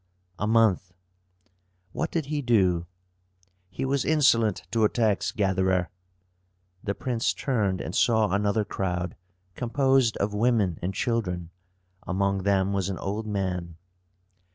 "A month." "What did he do?" "He was insolent to a tax gatherer." The prince turned and saw another crowd, composed of women and children. Among them was an old man.